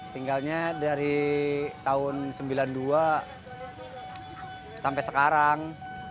tinggalnya dari tahun sembilan puluh dua sampai sekarang